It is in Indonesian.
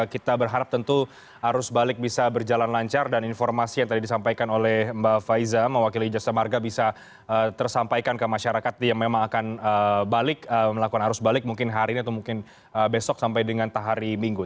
kita berharap tentu arus balik bisa berjalan lancar dan informasi yang tadi disampaikan oleh mbak faiza mewakili jasa marga bisa tersampaikan ke masyarakat yang memang akan balik melakukan arus balik mungkin hari ini atau mungkin besok sampai dengan tahari minggu